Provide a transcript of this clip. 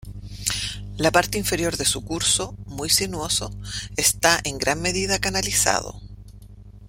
La parte inferior de su curso, muy sinuoso, está en gran medida canalizado.